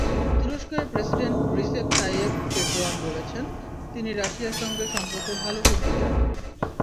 তুরস্কের president Recep Tayyip Erdogan বলেছেন, তিনি রাশিয়ার সঙ্গে সম্পর্ক ভালো করতে চান।